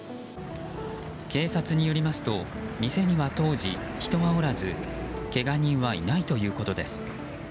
警察によりますと店には当時、人はおらずけが人はいないということです。